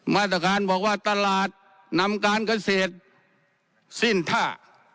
มาตรการบอกว่าตลาดนำการเกษตรสิ้นท่า